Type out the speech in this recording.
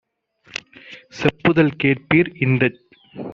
செப்புதல் கேட்பீர்! - இந்தச்